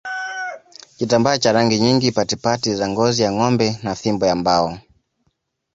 Kitambaa cha rangi nyingi patipati za ngozi ya ngombe na fimbo ya mbao